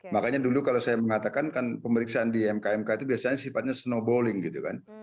makanya dulu kalau saya mengatakan kan pemeriksaan di mk mk itu biasanya sifatnya snowballing gitu kan